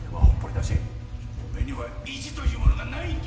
だしおめには意地というものがないんけ！